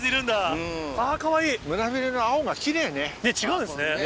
違うんですね。